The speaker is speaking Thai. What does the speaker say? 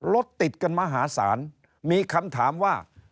รถติดกันมหาศาลมีคำถามว่า